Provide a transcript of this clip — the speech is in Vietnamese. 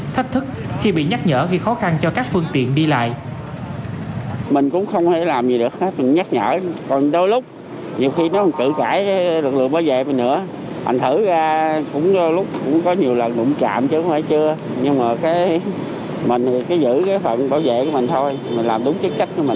nhiều người bán hàng rong bị thách thức khi bị nhắc nhở gây khó khăn cho các phương tiện đi lại